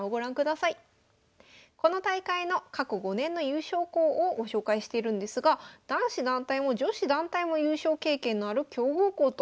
この大会の過去５年の優勝校をご紹介してるんですが男子団体も女子団体も優勝経験のある強豪校ということです。